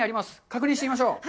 確認してみましょう。